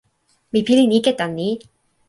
mi pilin ike tan ni: